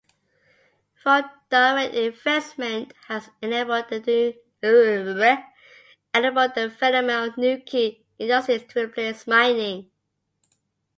Foreign Direct Investment has enabled the development of new key industries to replace mining.